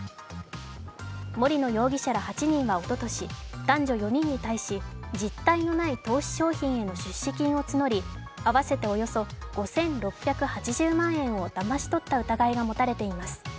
森野容疑者ら８人はおととし男女４人に対し実体のない投資商品への出資金を募り合わせておよそ５６８０万円をだまし取った疑いがもたれています。